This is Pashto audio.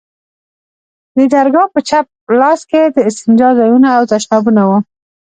د درگاه په چپ لاس کښې د استنجا ځايونه او تشنابونه وو.